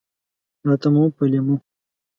راتله مو په لېمو!